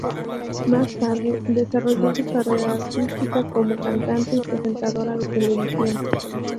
Más tarde, desarrolló su carrera artística como cantante y presentadora de televisión.